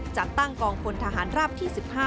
จัดตั้งกองพลทหารราบที่๑๕